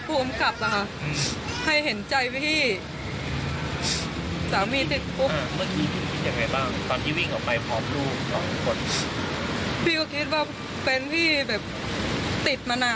แล้วจะติดอีกกี่เดือนนะคะ